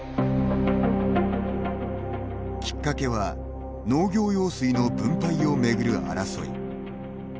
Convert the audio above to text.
きっかけは農業用水の分配を巡る争い。